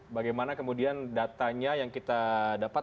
bagaimana kemudian datanya yang kita dapat